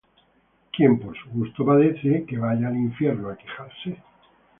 Quien por su gusto padece, que vaya al infierno a quejarse.